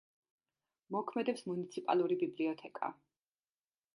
მოქმედებს მუნიციპალური ბიბლიოთეკა.